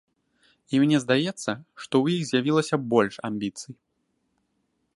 І мне здаецца, што ў іх з'явілася больш амбіцый.